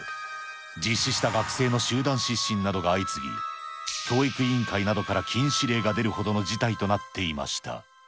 実施した学生の集団失神などが相次ぎ、教育委員会などから禁止令が出るほどの事態となっていました。